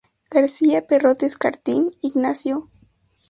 García-Perrote Escartín, Ignacio.